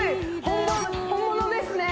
本物ですね